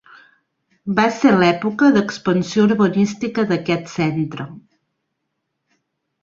Va ser l'època d'expansió urbanística d'aquest centre.